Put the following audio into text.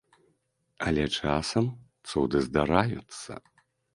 Але часам цуды здараюцца.